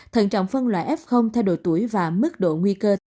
thận trọng phân loại f theo độ tuổi và mức độ nguy cơ